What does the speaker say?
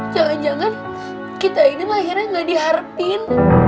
jangan jangan kita ini lahirnya gak diharapin